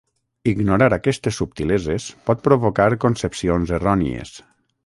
Ignorar aquestes subtileses pot provocar concepcions errònies.